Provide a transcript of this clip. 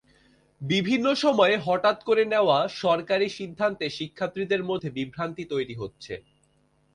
বিভিন্ন সময়ে হঠাৎ করে নেওয়া সরকারি সিদ্ধান্তে শিক্ষার্থীদের মধ্যে বিভ্রান্তি তৈরি হচ্ছে।